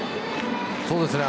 そうですね。